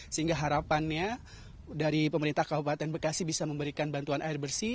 sehingga harapannya dari pemerintah kabupaten bekasi bisa memberikan bantuan air bersih